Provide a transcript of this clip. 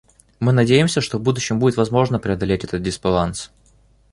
Мы надеемся, что в будущем будет возможно преодолеть этот дисбаланс.